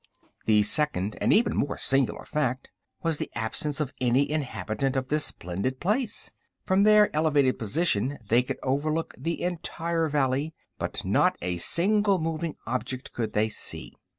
The second and even more singular fact was the absence of any inhabitant of this splendid place. From their elevated position they could overlook the entire valley, but not a single moving object could they see.